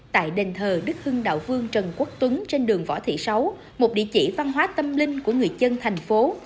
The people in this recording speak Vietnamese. tại đền thờ đức hưng đạo vương trần quốc tuấn trên đường võ thị sáu một địa chỉ văn hóa tâm linh của người dân thành phố